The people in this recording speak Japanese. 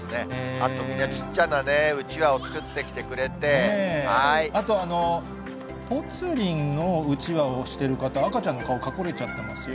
あとちっちゃなうちわを作ってきあと、ぽつリンのうちわをしてる方、赤ちゃんの顔隠れちゃってますよ。